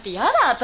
私。